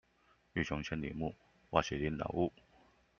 欲窮千里目，哇洗林老木